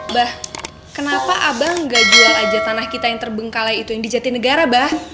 bah kenapa abah gak jual aja tanah kita yang terbengkalai itu yang di jati negara bah